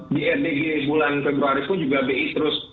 di rdg bulan februari pun juga bi terus